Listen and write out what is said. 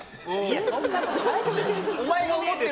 そんなことないって。